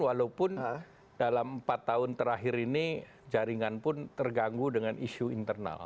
walaupun dalam empat tahun terakhir ini jaringan pun terganggu dengan isu internal